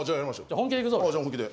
本気で。